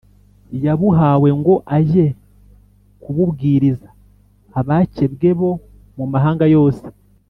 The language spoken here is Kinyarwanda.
yabuhawe ngo ajye kububwiriza abakebwe bo mu mahanga yose